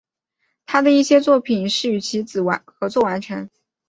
他的一些作品是与其子合作完成。